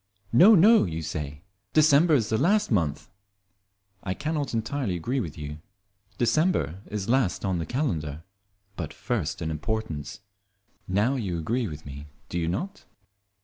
"No, no," you say, "December is the last month." I cannot entirely agree with you. December is last on the calendar but first in importance. Now you agree with me, do you not?